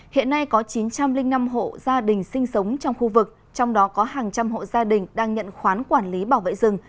hiện nay có chín trăm linh năm hộ gia đình sinh sống trong khu vực trong đó có hàng trăm hộ gia đình đang nhận khoán quản lý bảo vệ rừng